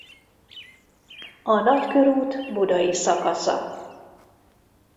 A Nagykörút budai szakasza.